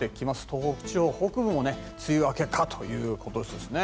東北地方北部も梅雨明けかということですね。